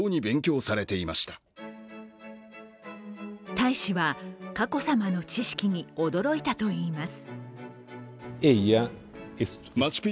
大使は、佳子さまの知識に驚いたといいます。